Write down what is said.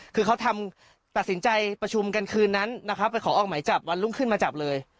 คือเขาทำตัดสินใจประชุมกันคืนนั้นนะครับไปขอออกหมายจับวันรุ่งขึ้นมาจับเลย